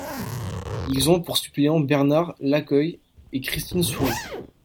Ils ont pour suppléants Bernard Lacoeuille et Christine Soury.